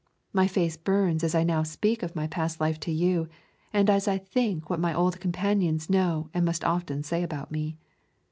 My face burns as I now speak of my past life to you, and as I think what my old companions know and must often say about me.